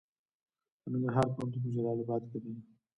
د ننګرهار پوهنتون په جلال اباد کې دی